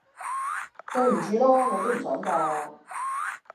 對唔住囉！我都唔想架